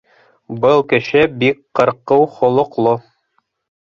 Был кеше бик ҡырҡыу холоҡло.